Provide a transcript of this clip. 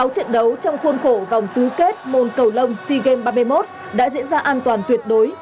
sáu trận đấu trong khuôn khổ vòng tứ kết môn cầu lông sea games ba mươi một đã diễn ra an toàn tuyệt đối